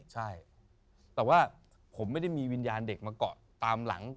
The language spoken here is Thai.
ใช่แต่ว่าผมไม่ได้มีวิญญาณเด็กมาเกาะตามหลัง